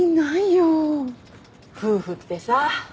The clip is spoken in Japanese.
夫婦ってさ。